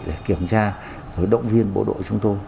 để kiểm tra rồi động viên bộ đội chúng tôi